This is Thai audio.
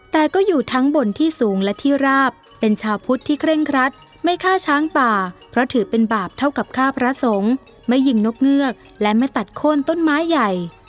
แต่ก็อยู่ทั้งบนที่สูงและที่ราบเป็นชาวพุทธที่เคร่งครัดไม่ฆ่าช้างป่าเพราะถือเป็นบาปเท่ากับฆ่าพระสงฆ์ไม่ยิงนกเงือกและไม่ตัดโค้นต้นไม้ใหญ่